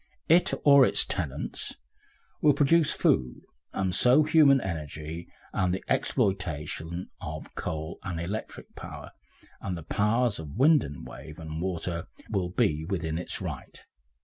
It or its tenants will produce food, and so human energy, and the exploitation of coal and electric power, and the powers of wind and wave and water will be within its right.